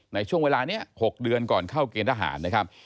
ในช่วงเวลานี้๖เดือนก่อนเข้าเกณฑ์ทหารนะครับ